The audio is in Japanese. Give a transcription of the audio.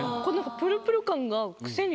このプルプル感が。